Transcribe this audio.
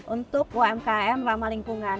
untuk umkm ramah lingkungan